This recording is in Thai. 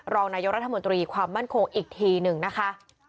รองนายกรัฐมนตรีความมั่นคงอีกทีหนึ่งนะคะ